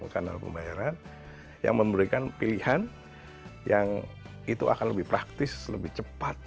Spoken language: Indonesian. kanal pembayaran yang memberikan pilihan yang itu akan lebih praktis lebih cepat